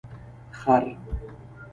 🫏 خر